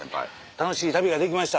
楽しい旅ができました。